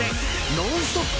ノンストップ！